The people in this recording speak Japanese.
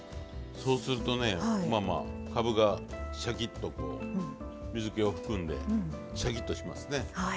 そうするとねまあまあかぶがシャキッとこう水けを含んでシャキッとしますね。